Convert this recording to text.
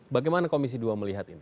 bagaimana komisi dua melihat ini